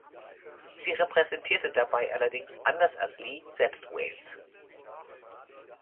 Sie repräsentierte dabei allerdings anders als Lee selbst Wales.